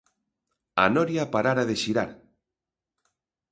A noria parara de xirar.